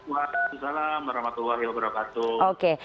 waalaikumsalam warahmatullahi wabarakatuh